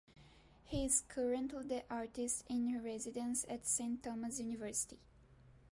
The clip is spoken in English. He is currently the Artist in Residence at Saint Thomas University.